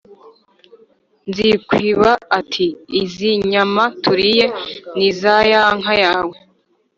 Nzikwiba ati: "Izi nyama turiye ni iza ya nka yawe